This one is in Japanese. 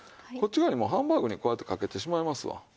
こっち側にもうハンバーグにこうやってかけてしまいますわ。